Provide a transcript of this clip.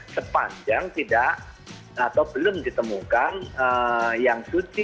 sepanjang tidak atau belum ditemukan yang suci